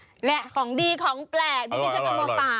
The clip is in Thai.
นี่ของดีเขาของแปลกครับบิ๊บื่อชมม่อฝาก